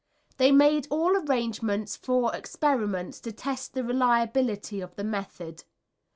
They made all arrangements for experiments to test the reliability of the method.